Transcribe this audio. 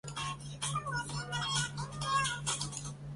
随后该公司出资对大楼进行修复。